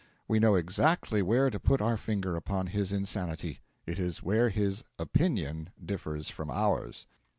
We know exactly where to put our finger upon his insanity; it is where his opinion differs from ours.